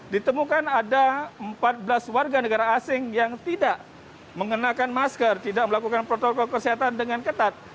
ditemukan ada empat belas warga negara asing yang tidak mengenakan masker tidak melakukan protokol kesehatan dengan ketat